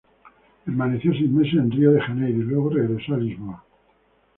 Permaneció seis meses en Río de Janeiro, y luego regresó a Lisboa.